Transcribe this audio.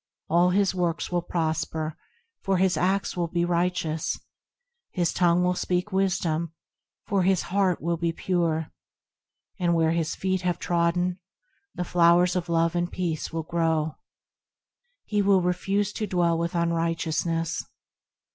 All his works will prosper, for his acts will be righteous ; His tongue will speak wisdom, for his heart will be pure ; And where his feet have trodden, the flowers of Love and Peace will grow. He will refuse to dwell with unrighteousness.